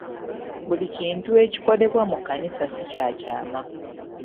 Buli kintu ekikolebwa mu kkanisa si kya kyama.